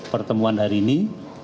pertemuan hari ini